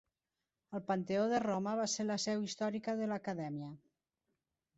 El Panteó de Roma va ser la seu històrica de l’acadèmia.